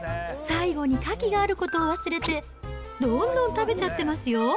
最後にカキがあることを忘れて、どんどん食べちゃってますよ。